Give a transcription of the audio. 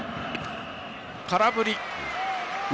空振り。